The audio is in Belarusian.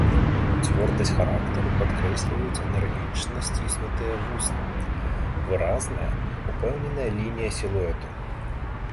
Цвёрдасць характару падкрэсліваюць энергічна сціснутыя вусны, выразная, упэўненая лінія сілуэта.